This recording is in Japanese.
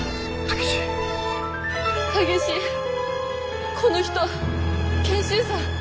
タケシこの人賢秀さん。